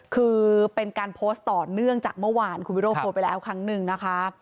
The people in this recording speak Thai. คือเป็นการโพสต์ต่อเนื่องจากเมื่อวานคุณวิโรธโพสต์ไปแล้วครั้งหนึ่งนะคะ